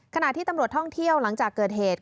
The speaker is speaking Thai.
ขณะที่ตำรวจท่องเที่ยวหลังจากเกิดเหตุ